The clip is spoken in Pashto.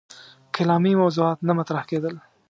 کلامي موضوعات نه مطرح کېدل.